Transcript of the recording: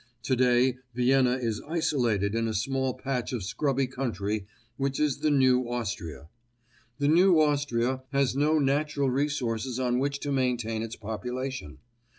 Today Vienna is isolated in a small patch of scrubby country which is the new Austria. The new Austria has no natural resources on which to maintain its population.